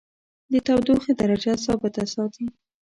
د تودیخي درجه ثابته ساتي.